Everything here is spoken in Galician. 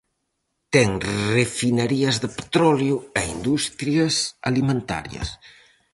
Ten refinarías de petróleo e industrias alimentarias.